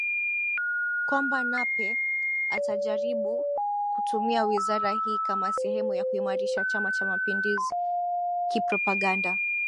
kwamba Nape atajaribu kutumia wizara hii kama sehemu ya kuiimarisha Chama cha mapinduzi kipropaganda